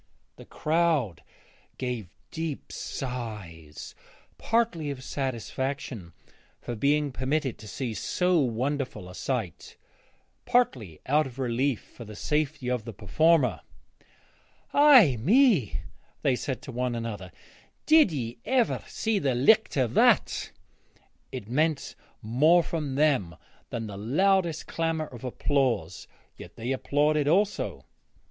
The crowd gave deep sighs, partly of satisfaction for being permitted to see so wonderful a sight, partly out of relief for the safety of the performer. 'Ay me,' they said to one another, 'did ye ever see the licht o' that?' It meant more from them than the loudest clamour of applause, yet they applauded also.